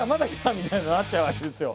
みたいになっちゃうわけですよ。